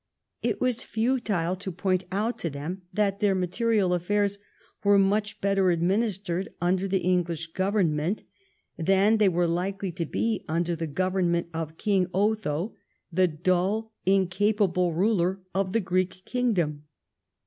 It was futile to point out to them that their material affairs were much better administered under the English Government than they were likely to be under the Government of King Otho, the dull, in capable ruler of the Greek Kingdom.